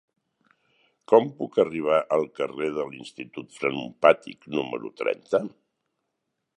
Com puc arribar al carrer de l'Institut Frenopàtic número trenta?